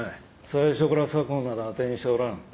最初から左紺など当てにしておらん。